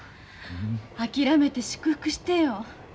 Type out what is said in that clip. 諦めて祝福してよ。